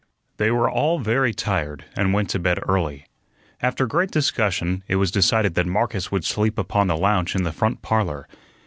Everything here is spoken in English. They were all very tired, and went to bed early. After great discussion it was decided that Marcus would sleep upon the lounge in the front parlor.